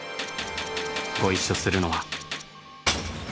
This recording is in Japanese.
ご一緒するのは。